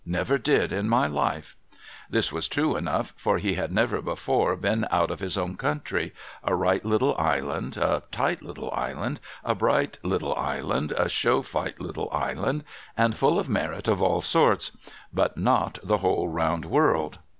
' Never did, in my life !' This was true enough, for he had never before been out of his own country, — a right little island, a tight little island, a bright little island, a show fight little island, and full of merit of all sorts ; but not the whole round world.